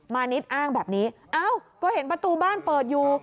มานิดอ้างแบบนี้เอ้าก็เห็นประตูบ้านเปิดอยู่